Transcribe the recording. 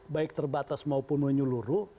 baik terbatas maupun menyeluruh